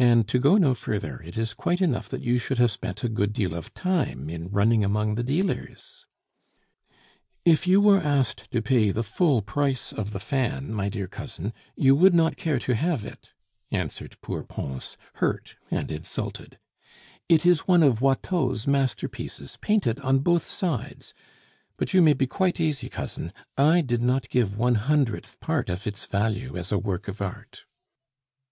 And to go no further, it is quite enough that you should have spent a good deal of time in running among the dealers " "If you were asked to pay the full price of the fan, my dear cousin, you would not care to have it," answered poor Pons, hurt and insulted; "it is one of Watteau's masterpieces, painted on both sides; but you may be quite easy, cousin, I did not give one hundredth part of its value as a work of art."